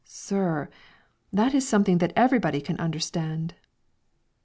Sir, that is something that everybody can understand."